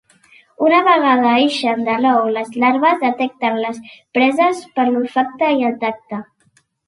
Una vegada ixen de l'ou les larves detecten les preses per l'olfacte i el tacte.